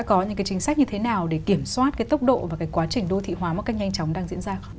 có những cái chính sách như thế nào để kiểm soát cái tốc độ và cái quá trình đô thị hóa một cách nhanh chóng đang diễn ra không